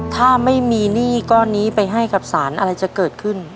ถ้าไม่มีหนี้ก้อนนี้ไปให้กับสารอะไรจะเกิดขึ้น